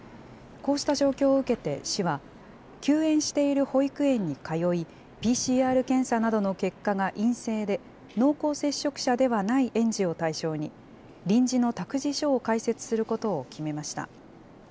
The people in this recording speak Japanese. こうした状況を受けて市は、休園している保育園に通い、ＰＣＲ検査などの結果が陰性で、濃厚接触者ではない園児を対象に、臨時の託児所を開設することを決めました。